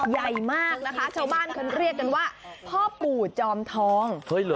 ใหญ่มากนะคะชาวบ้านเขาเรียกกันว่าพ่อปู่จอมทอง